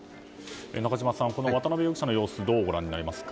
中島さん、渡辺容疑者の様子どうご覧になりますか。